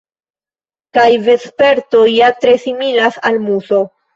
Kaj vesperto ja tre similas al muso.